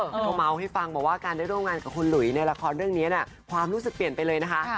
แล้วก็เมาส์ให้ฟังบอกว่าการได้ร่วมงานกับคุณหลุยในละครเรื่องนี้ความรู้สึกเปลี่ยนไปเลยนะคะ